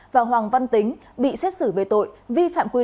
và hoàng văn tính bị xét xử về tội vi phạm quy định